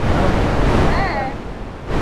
serikali itaanzisha minada ya dhamana za mitaji